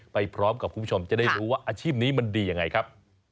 ไปพร้อมกับคุณผู้ชมจะได้รู้ว่าอาชีพนี้มันดียังไงครับ